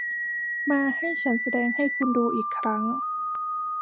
มา ให้ฉันแสดงให้คุณดูอีกครั้ง